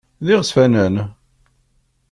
D iɣezfanen?